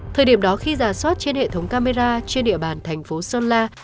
thời điểm đó khi giả soát trên hệ thống camera trên địa bàn thành phố sơn la